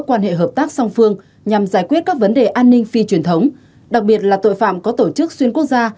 quan hệ hợp tác song phương nhằm giải quyết các vấn đề an ninh phi truyền thống đặc biệt là tội phạm có tổ chức xuyên quốc gia